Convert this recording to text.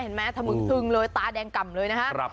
เห็นไหมถมึงซึงเลยตาแดงก่ำเลยนะฮะ